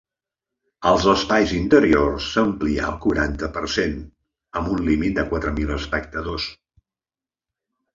Als espais interiors, s’amplia al quaranta per cent, amb un límit de quatre mil espectadors.